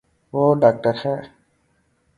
وہ داکٹر ہے